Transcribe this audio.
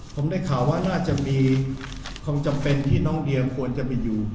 ผมได้ข่าวว่าน่าจะมีความจำเป็นที่น้องเดียมควรจะมีอยู่